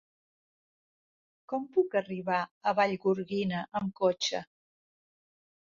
Com puc arribar a Vallgorguina amb cotxe?